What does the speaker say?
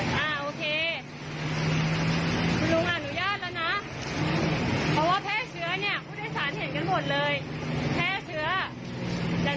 เพราะว่าแพร่เชื้อเนี้ยผู้โดยสารเห็นกันหมดเลยแพร่เชื้อ